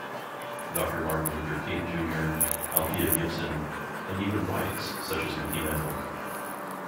Doctor Martin Luther King, Junior Althea Gibson, and even whites such as Mickey Mantle.